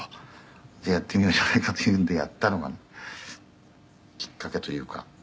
「じゃあやってみようじゃないかというのでやったのがきっかけというか。